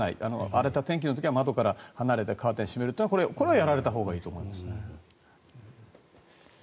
荒れた天気の時は窓から離れてカーテンを閉めるのはやられたほうがいいと思います。